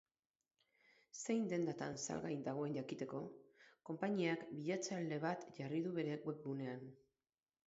Zein dendatan salgai dagoen jakiteko, konpainiak bilatzaile bat jarri du bere webgunean.